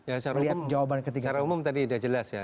ya secara umum tadi sudah jelas ya